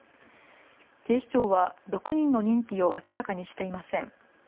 警視庁は６人の認否を明らかにしていません。